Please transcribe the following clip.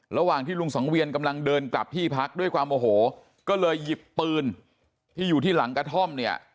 ระหว่างที่ลุงสังเวียนกำลังเดินกลับที่พักด้วยความโอโหก็เลยหยิบปืนที่อยู่ที่หลังกระท่อมเนี่ย